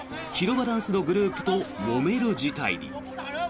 広場ダンスのグループともめる事態に。